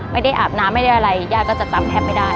อาบน้ำไม่ได้อะไรย่าก็จะจำแทบไม่ได้